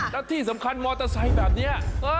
แล้วที่สำคัญมอเตอร์ไซค์แบบนี้